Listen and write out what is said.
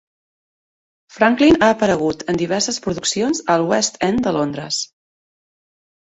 Franklin ha aparegut en diverses produccions al West End de Londres.